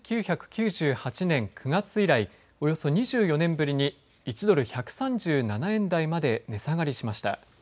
１９９８年９月以来およそ２４年ぶりに１ドル１３７円台まで値下がりしました。